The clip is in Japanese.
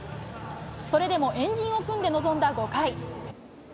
それでも円陣を組んで臨んだ５回。